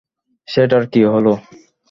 সেটার কী হলো?